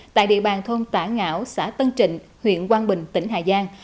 tại địa bàn thôn tả ngảo xã tân trịnh huyện quang bình tỉnh hà giang